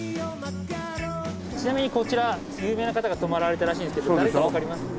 ちなみにこちら有名な方が泊まられたらしいんですけど誰かわかります？